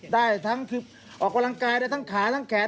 ได้ออกกำลังกายในทุกขาดทางแขน